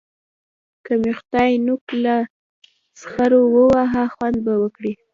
که مې خدای نوک له سخره وواهه؛ خوند به وکړي.